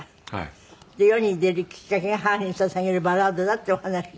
で世に出るきっかけが『母に捧げるバラード』だっていうお話で。